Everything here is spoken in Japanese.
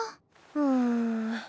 うん。